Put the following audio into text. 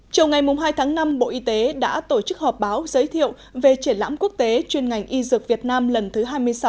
trong ngày hai tháng năm bộ y tế đã tổ chức họp báo giới thiệu về triển lãm quốc tế chuyên ngành y dược việt nam lần thứ hai mươi sáu